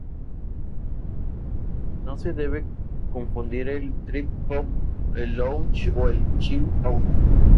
No se debe confundir con el TripHop, el Lounge o el Chill out.